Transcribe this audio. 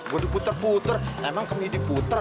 gue diputer puter emang kemini diputer